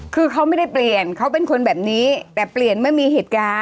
คือเขาไม่ได้เปลี่ยนเขาเป็นคนแบบนี้แต่เปลี่ยนเมื่อมีเหตุการณ์